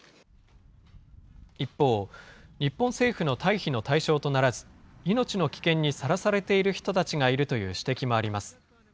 一方、日本政府の退避の対象とならず、命の危険にさらされている人たちがいるという指摘もあります。